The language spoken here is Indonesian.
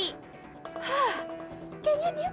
hah kayaknya niatnya sengaja